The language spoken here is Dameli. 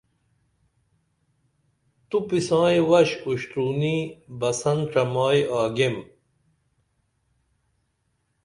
تُوپی سائیں وݜ اُشترونی بسن ڇمائی آگیم